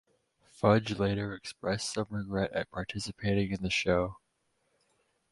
Fudge later expressed some regret at participating in the show.